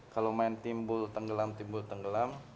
kalau main timbul tenggelam timbul tenggelam